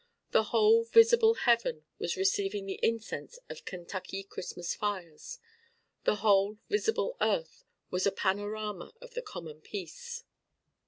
The whole visible heaven was receiving the incense of Kentucky Christmas fires; the whole visible earth was a panorama of the common peace.